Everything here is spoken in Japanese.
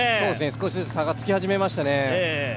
少しずつ差がつき始めましたね。